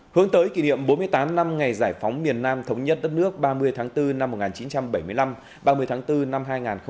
hướng tới kỷ niệm bốn mươi tám năm ngày giải phóng miền nam thống nhất đất nước ba mươi tháng bốn năm một nghìn chín trăm bảy mươi năm ba mươi tháng bốn năm hai nghìn hai mươi